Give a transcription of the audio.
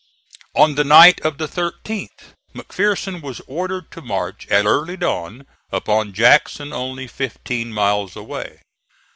On the night of the 13th, McPherson was ordered to march at early dawn upon Jackson, only fifteen miles away.